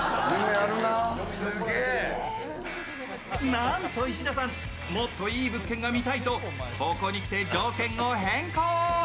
なんと石田さん、もっといい物件が見たいとここに来て条件を変更。